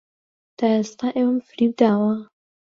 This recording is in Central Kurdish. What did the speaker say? تا ئێستا ئێوەم فریوداوە؟